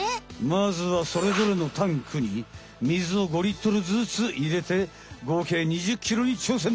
まずはそれぞれのタンクにみずを５リットルずついれてごうけい２０ｋｇに挑戦！